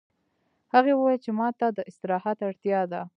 هغې وویل چې ما ته د استراحت اړتیا ده